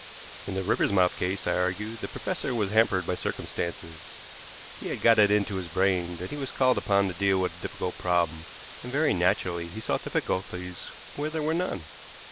In the Riversmouth case, I argued, the professor was hampered by circumstances. He had got it into his brain that he was called upon to deal with a difficult problem, and very naturally he saw difficulties where there were none.